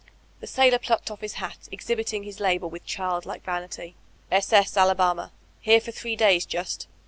The sailor plucked off his hat, exhibiting his label with child like vanity : "S. S. Alabama. Here for three days just.